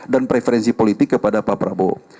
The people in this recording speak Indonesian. dan preferensi politik kepada pak prabowo